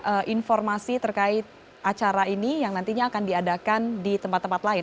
dan seperti apa informasi terkait acara ini yang nantinya akan diadakan di tempat tempat lain